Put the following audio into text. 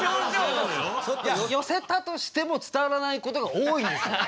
寄せたとしても伝わらないことが多いんですよ